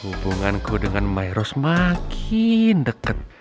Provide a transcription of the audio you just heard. hubunganku dengan mayros makin deket